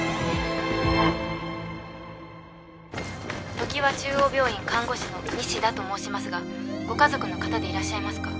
「常和中央病院看護師の西田と申しますがご家族の方でいらっしゃいますか？」